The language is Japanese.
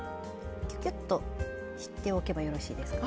キュキュッとしておけばよろしいですか？